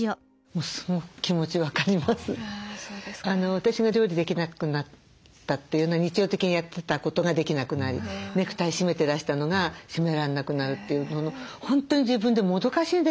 私が料理できなくなったというのは日常的にやってたことができなくなりネクタイ締めてらしたのが締めらんなくなるというのの本当に自分でもどかしいんですよね。